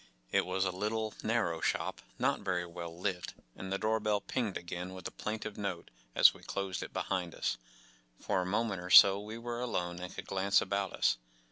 It was a little, narrow shop, not very well lit, and the door bell pinged again with a plaintive note as we closed it behind us. For a moment or so we were alone and could glance about us.